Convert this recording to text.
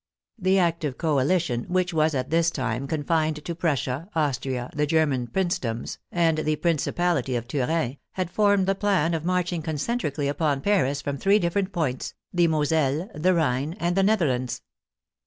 The active coalition which was at this time confined to Prussia, Austria, the German princedoms, and the principality of Turin, had formed the plan of marching concentrically upon Paris from 36 THE TENTH OF AUGUST 37 three different points, the Moselle, the Rhine, and the Netherlands.